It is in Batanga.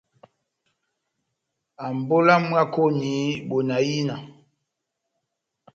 Ambolo ya mwákoni bona ina!